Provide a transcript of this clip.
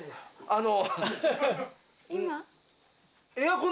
あの。